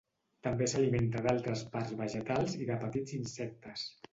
També s'alimenta d'altres parts vegetals i de petits insectes.